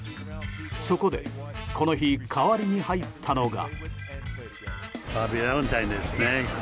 そこで、この日代わりに入ったのが。